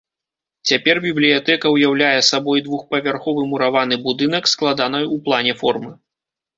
Цяпер бібліятэка ўяўляе сабой двухпавярховы мураваны будынак складанай у плане формы.